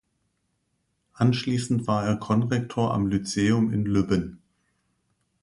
Anschließend war er Konrektor am Lyceum in Lübben.